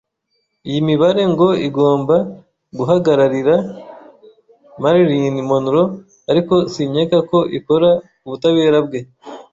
Iyi mibare ngo igomba guhagararira Marilyn Monroe, ariko sinkeka ko ikora ubutabera bwe.